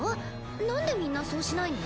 なんでみんなそうしないの？